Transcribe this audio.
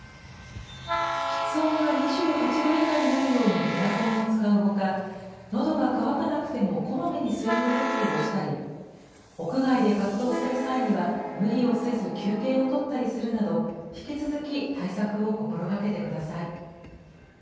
室温が２８度以下になるようにエアコンを使うほか、のどが渇かなくてもこまめに水分補給をしたり、屋外で活動する際には無理をせず休憩を取ったりするなど、引き続き対策を心がけてください。